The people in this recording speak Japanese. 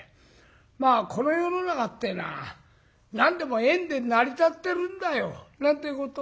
まあ「この世の中ってえのは何でも縁で成り立ってるんだよ」なんてことを申しますな。